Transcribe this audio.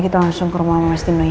kita langsung ke rumah sama mas tino ya